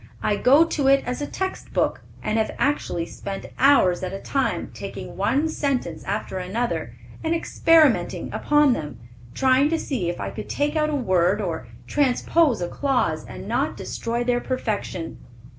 I go to it as a text book, and have actually spent hours at a time, taking one sentence after another, and experimenting upon them, trying to see if I could take out a word or transpose a clause, and not destroy their perfection."